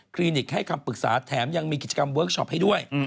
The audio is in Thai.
ลินิกให้คำปรึกษาแถมยังมีกิจกรรมเวิร์คชอปให้ด้วย